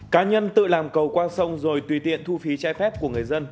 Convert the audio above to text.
cá nhân tự làm cầu qua sông rồi tùy tiện thu phí trái phép của người dân